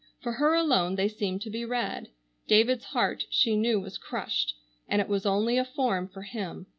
For her alone they seemed to be read. David's heart she knew was crushed, and it was only a form for him.